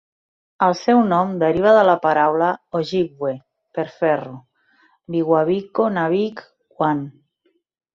El seu nom deriva de la paraula Ojibwe per ferro: "Biwabiko-nabik-wan".